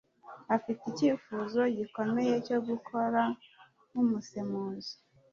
Afite icyifuzo gikomeye cyo gukora nkumusemuzi.